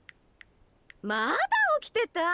まだ起きてた？